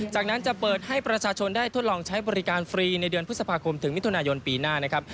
จากนั้นจะเปิดให้ประชาชนได้ทดลองใช้บริการฟรีในเดือนพฤษภาคมถึงมิถุนายนปีหน้านะครับ